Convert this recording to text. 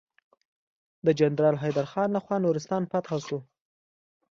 د جنرال حيدر خان لخوا نورستان فتحه شو.